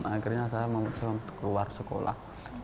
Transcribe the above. akhirnya saya mau keluar sekolah